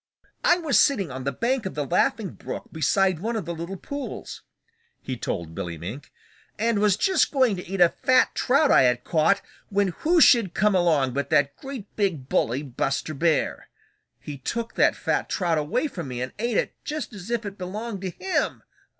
"I was sitting on the bank of the Laughing Brook beside one of the little pools," he told Billy Mink, "and was just going to eat a fat trout I had caught, when who should come along but that great big bully, Buster Bear. He took that fat trout away from me and ate it just as if it belonged to him!